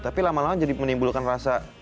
tapi lama lama jadi menimbulkan rasa